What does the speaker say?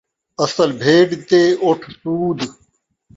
اصل بھیݙ تے اُٹھ سود